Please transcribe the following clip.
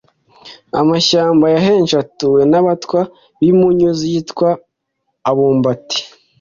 amashyamba ya henshi atuwe n’abatwa b’impunyu zitwa abambuti